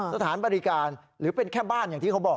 สถานบริการหรือเป็นแค่บ้านอย่างที่เขาบอก